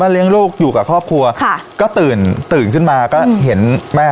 เลี้ยงลูกอยู่กับครอบครัวค่ะก็ตื่นตื่นขึ้นมาก็เห็นแม่